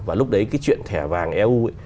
và lúc đấy cái chuyện thẻ vàng eu ấy